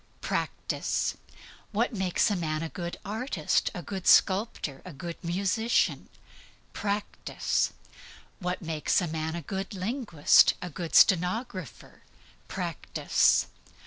Practice. What makes a man a good artist, a good sculptor, a good musician? Practice. What makes a man a good linguist, a good stenographer? Practice.